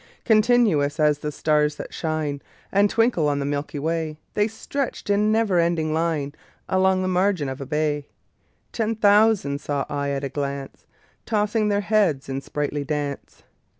Continuous as the stars that shine And twinkle on the milky way, The stretched in never ending line Along the margin of a bay: Ten thousand saw I at a glance, Tossing their heads in sprightly dance.